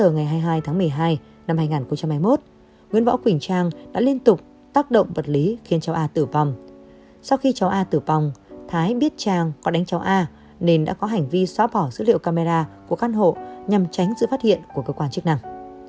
ngày hai mươi hai tháng một mươi hai năm hai nghìn hai mươi một nguyễn võ quỳnh trang đã liên tục tác động vật lý khiến cháu a tử vong sau khi cháu a tử vong thái biết trang có đánh cháu a nên đã có hành vi xóa bỏ dữ liệu camera của căn hộ nhằm tránh sự phát hiện của cơ quan chức năng